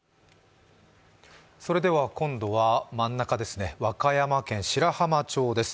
今度は真ん中ですね、和歌山県白浜町です。